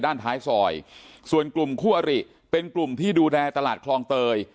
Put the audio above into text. ด้านท้ายซอยส่วนกลุ่มคู่อริเป็นกลุ่มที่ดูแลตลาดคลองเตย